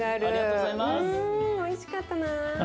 うんおいしかったな。